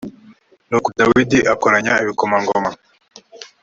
nuko dawidi akoranya ibikomangomar